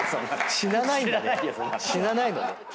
死なないんだね。